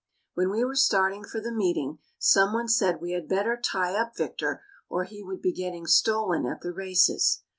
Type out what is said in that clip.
When we were starting for the meeting, someone said we had better tie up Victor or he would be getting stolen at the races.